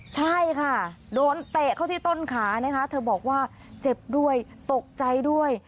ใช่ค่ะโดนเตะเข้าที่ต้นขานะคะเธอบอกว่าเจ็บด้วยตกใจด้วย